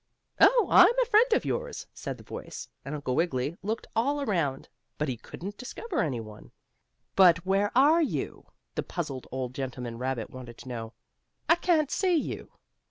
"Oh, I'm a friend of yours," said the voice, and Uncle Wiggily looked all around, but he couldn't discover any one. "But where are you?" the puzzled old gentleman rabbit wanted to know. "I can't see you."